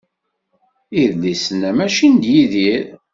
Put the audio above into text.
Idlisen-a mačči n Yidir.